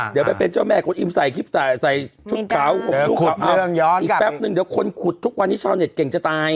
เดี๋ยวไปเป็นเจ้าแม่คนอิมใส่ชุดขาวผมทุกคนเอาอีกแป๊บนึงเดี๋ยวคนขุดทุกวันนี้ชาวเน็ตเก่งจะตาย